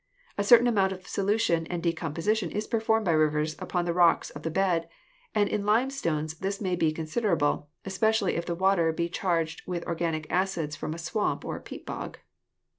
A certain amount of solution and decomposition is performed by rivers upon the rocks of the bed, and in limestones this may be considerable, especially if the water be charged with organic acids from a swamp or peat bog.